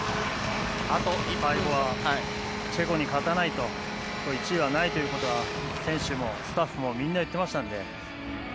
チェコに勝たないと１位はないということは選手もスタッフもみんな言ってましたので。